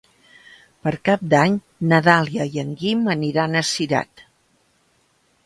Per Cap d'Any na Dàlia i en Guim aniran a Cirat.